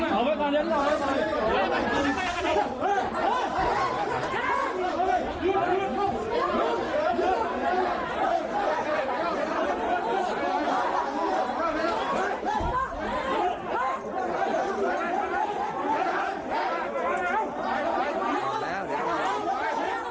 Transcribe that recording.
บอกเลยนะ